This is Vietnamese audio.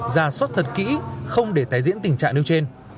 ra soát thật kỹ không để tái diễn tình trạng nêu trên